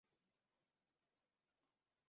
kabla ya jua Malipo ya kuingia na mashtaka